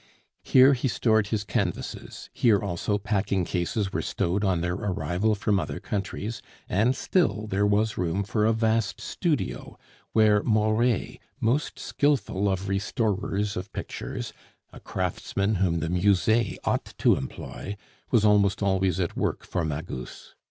Here he stored his canvases, here also packing cases were stowed on their arrival from other countries; and still there was room for a vast studio, where Moret, most skilful of restorers of pictures, a craftsman whom the Musee ought to employ, was almost always at work for Magus.